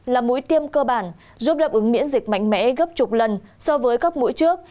là mũi tiêm cơ bản giúp đáp ứng miễn dịch mạnh mẽ gấp chục lần so với các mũi trước